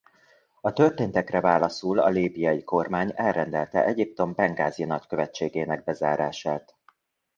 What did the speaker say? A történtekre válaszul a líbiai kormány elrendelte Egyiptom bengázi nagykövetségének bezárását.